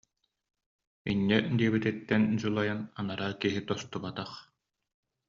Инньэ диэбититтэн дьулайан анараа киһи тустубатах